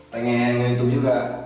pengen di youtube juga